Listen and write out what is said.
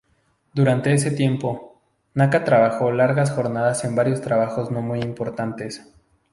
Durante ese tiempo, Naka trabajó largas jornadas en varios trabajos no muy importantes.